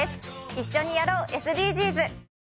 「一緒にやろう、ＳＤＧｓ」